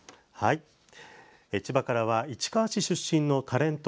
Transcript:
千葉からは市川市出身のタレント